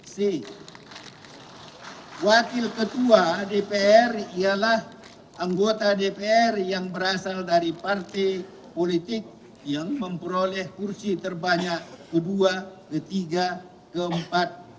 c wakil ketua dpr ialah anggota dpr yang berasal dari partai politik yang memperoleh kursi terbanyak kedua ketiga keempat